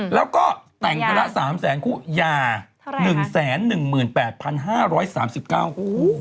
แล้วก็แต่งไปละ๓แสนคู่ยา๑๑๘๕๓๙คู่